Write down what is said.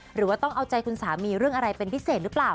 หรือว่าต้องเอาใจคุณสามีเรื่องอะไรเป็นพิเศษหรือเปล่า